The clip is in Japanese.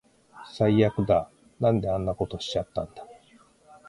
最悪だ。なんであんなことしちゃったんだ